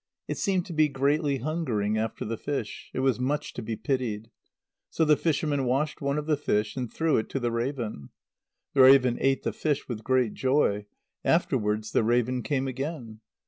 It seemed to be greatly hungering after the fish. It was much to be pitied. So the fisherman washed one of the fish, and threw it to the raven. The raven ate the fish with great joy. Afterwards the raven came again.